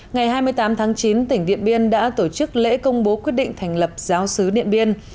ngày hai mươi tám tháng chín tỉnh điện biên đã tổ chức lễ công bố quyết định thành lập giáo sứ điện biên